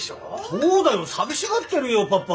そうだよ寂しがってるよパパ。